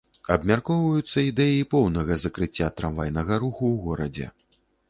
Абмяркоўваюцца ідэі поўнага закрыцця трамвайнага руху ў горадзе.